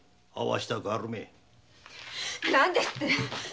何ですって！？